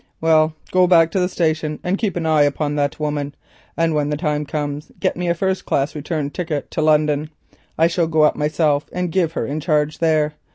"Well, go back to the station and keep an eye upon that woman, and when the time comes get me a first class return ticket to London. I shall go up myself and give her in charge there.